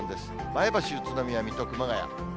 前橋、宇都宮、水戸、熊谷。